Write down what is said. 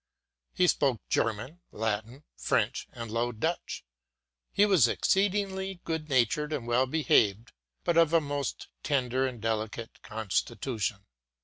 He spoke German, Latin, French, and Low Dutch. lie was exceed ingly goodnatured and well behaved, but of a most tender and delicate constitution.